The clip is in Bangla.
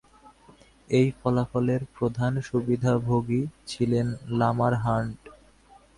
এই ফলাফলের প্রধান সুবিধাভোগী ছিলেন লামার হান্ট।